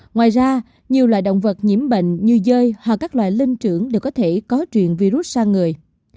ngoài ra nhiều loài động vật nhiễm bệnh như dơi hoặc các loại linh trưởng đều có thể có truyền virus sang người